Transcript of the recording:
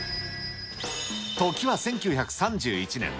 時は１９３１年。